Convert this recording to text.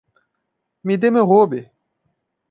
Me dê meu robe!